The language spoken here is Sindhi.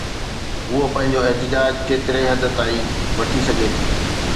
هوءَ پنهنجو احتجاج ڪيتري حد تائين وٺي سگهي ٿي؟